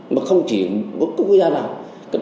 mà không chỉ ở các quốc gia nào